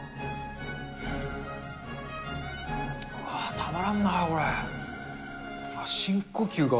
たまらんな、これ。